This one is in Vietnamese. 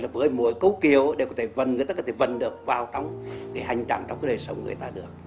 với mỗi câu kiều đều có thể vần người ta có thể vần được vào trong cái hành trạng trong đời sống người ta được